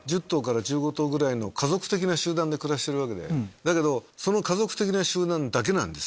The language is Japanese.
だけどその家族的な集団だけなんです。